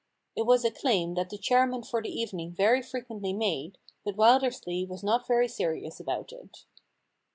It was a claim that the chairman for the evening very fre quently made, but Wildersley was not very serious about it.